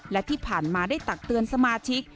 และที่ผ่านมาได้ตักเตือนสมาชิก